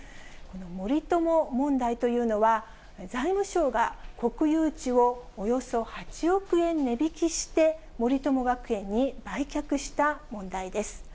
森友問題というのは、財務省が国有地をおよそ８億円値引きして、森友学園に売却した問題です。